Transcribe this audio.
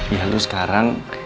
yah lo sekarang